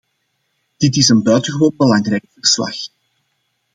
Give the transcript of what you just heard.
Dit is een buitengewoon belangrijk verslag.